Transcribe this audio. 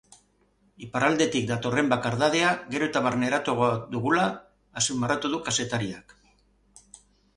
Iparraldetik datorren bakardadea gero eta barneratuago dugula azpimarratu du kazetariak.